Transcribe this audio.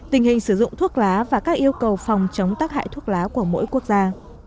tình hình sử dụng thuốc lá và các yêu cầu phòng chống tắc hại thuốc lá của mỗi quốc gia